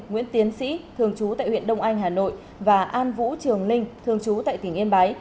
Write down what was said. nguyễn tiến sĩ thường trú tại huyện đông anh hà nội và an vũ trường linh thường trú tại tỉnh yên bái